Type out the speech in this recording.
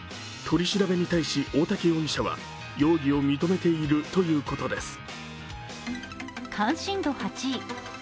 取り調べに対し、大竹容疑者は容疑を認めているということです